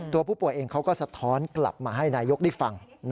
ตัวผู้ป่วยเองเขาก็สะท้อนกลับมาให้นายกได้ฟัง